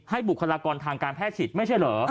บุคลากรทางการแพทย์ฉีดไม่ใช่เหรอ